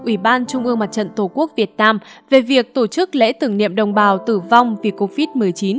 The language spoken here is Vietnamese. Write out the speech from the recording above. ủy ban trung ương mặt trận tổ quốc việt nam về việc tổ chức lễ tưởng niệm đồng bào tử vong vì covid một mươi chín